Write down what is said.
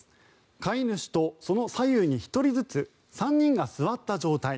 飼い主とその左右に１人ずつ３人が座った状態。